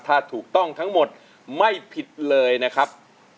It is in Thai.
ถ้าถูกต้องทั้งหมดไม่ผิดเลยนะครับ